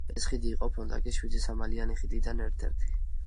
ეს ხიდი იყო ფონტანკის შვიდი სამმალიანი ხიდიდან ერთ-ერთი.